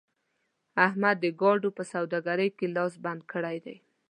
احمد د ګاډو په سوداګرۍ کې لاس بند کړی دی.